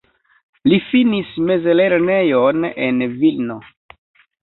Li finis mezlernejon en Vilno.